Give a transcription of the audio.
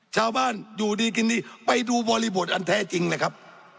ชาวบ้านอยู่ดีกินดีไปดูบริบทอันแท้จริงเลยครับ